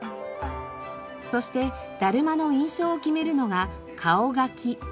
そしてだるまの印象を決めるのが顔描き。